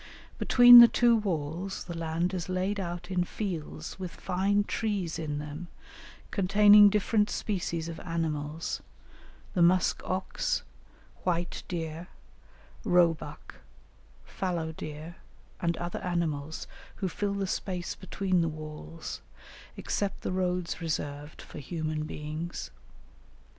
Between the two walls the land is laid out in fields with fine trees in them, containing different species of animals, the musk ox, white deer, roe buck, fallow deer, and other animals, who fill the space between the walls, except the roads reserved for human beings.